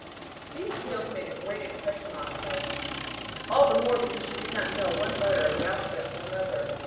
These tales made a great impression upon her all the more because she did not know one letter of the alphabet from another.